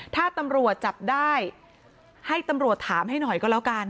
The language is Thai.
ถ้าตำรวจจับได้ให้ตำรวจถามให้หน่อยก็แล้วกัน